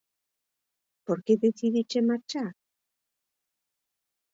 Por que decidiches marchar?